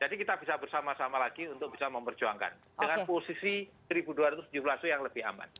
jadi kita bisa bersama sama lagi untuk bisa memperjuangkan dengan posisi satu dua ratus tujuh belas yang lebih aman